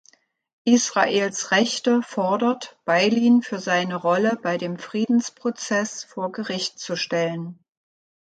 Israels Rechte fordert, Beilin für seine Rolle bei dem „Friedensprozess“ vor Gericht zu stellen.